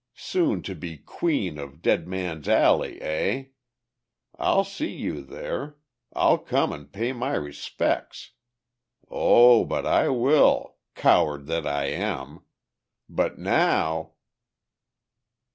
Soon to be queen of Dead Man's Alley, eh? I'll see you there; I'll come and pay my respects! Oh, but I will, coward that I am! But now...."